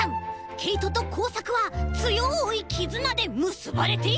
けいととこうさくはつよいきずなでむすばれているのです！